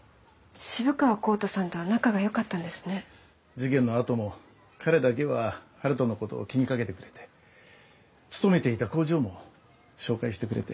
事件のあとも彼だけは晴登のことを気に掛けてくれて勤めていた工場も紹介してくれて。